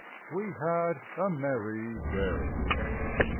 We had a merry day.